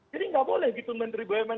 jadi gak boleh gitu menteri bumn